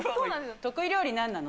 得意料理なんなの？